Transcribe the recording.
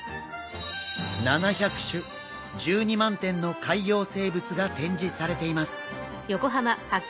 ７００種１２万点の海洋生物が展示されています。